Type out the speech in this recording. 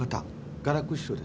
雅楽師匠です。